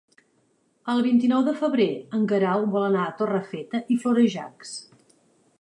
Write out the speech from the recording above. El vint-i-nou de febrer en Guerau vol anar a Torrefeta i Florejacs.